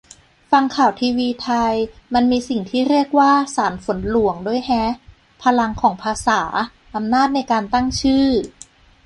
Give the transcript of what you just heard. ฟังข่าวทีวีไทย มันมีสิ่งที่เรียกว่า 'สารฝนหลวง' ด้วยแฮะ - พลังของภาษา อำนาจในการตั้งชื่อ